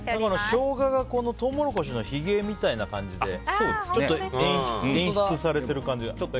ショウガがトウモロコシのひげみたいな感じで演出されている感じが。